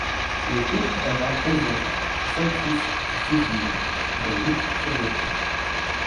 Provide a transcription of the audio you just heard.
Le couple aura onze enfants, cinq fils et six filles, dont huit survécurent.